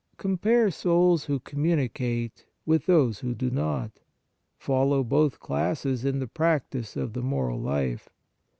Compare souls who communicate with those who do not ; follow both classes in the practice of the moral life.